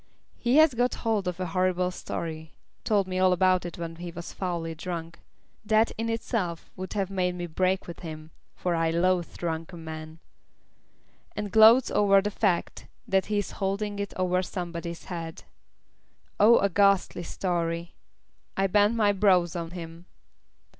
He has got hold of a horrible story told me all about it when he was foully drunk that in itself would have made me break with him, for I loathe drunken men and gloats over the fact that he is holding it over somebody's head. Oh, a ghastly story!" I bent my brows on him.